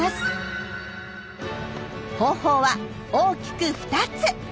方法は大きく２つ。